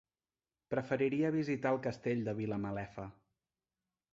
Preferiria visitar el Castell de Vilamalefa.